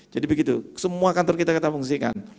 jadi begitu semua kantor kita kita fungsikan